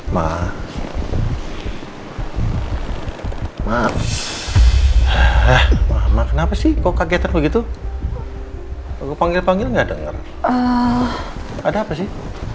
ma ma ma ma ma kenapa sih kok kagetan begitu aku panggil panggil nggak denger ada apa sih